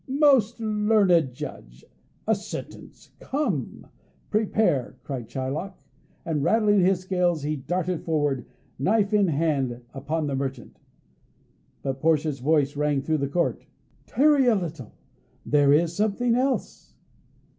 "Most learned judge! A sentence! Come, prepare!" cried Shylock; and, rattling his scales, he darted forward, knife in hand, upon the merchant. But Portia's voice rang through the court, "Tarry a little: there is something else!"